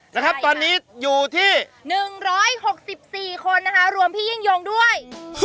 นะครับตอนนี้อยู่ที่๑๖๔คนนะคะรวมพี่ยิ่งยงด้วย